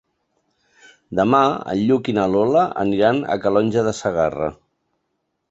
Demà en Lluc i na Lola aniran a Calonge de Segarra.